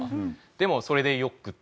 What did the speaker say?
でもそれでよくって。